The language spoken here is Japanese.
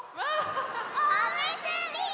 おむすび！